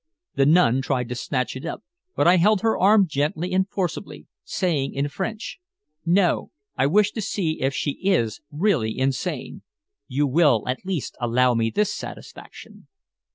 The nun tried to snatch it up, but I held her arm gently and forcibly, saying in French: "No. I wish to see if she is really insane. You will at least allow me this satisfaction."